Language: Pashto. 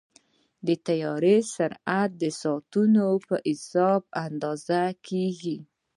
د طیارې سرعت د ساعتونو په حساب اندازه کېږي.